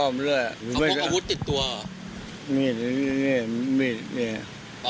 มีดมิด